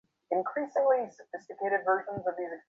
তিনি গচ্ছিত থাকা তুর্কি নথিগুলিকে আরবি ভাষায় অনুবাদ করেন।